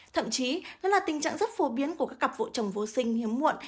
thậm chí nó là tình trạng rất phổ biến của các cặp vợ chồng vô sinh hiếm muộn